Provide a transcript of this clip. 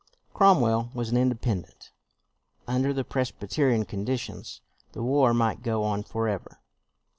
'' Cromwell was an Inde pendent. Under the Presbyterian condi tions the war might go on forever.